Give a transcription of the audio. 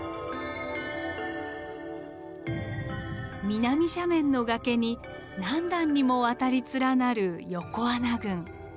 南斜面の崖に何段にもわたり連なる横穴群。